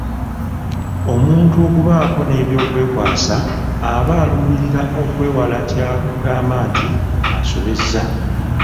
Omuntu okubaako n'eby'okwekwasa aba aluubirira kwewala kya kugamba nti asobezza.